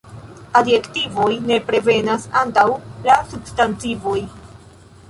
Adjektivoj nepre venas antaŭ la substantivoj.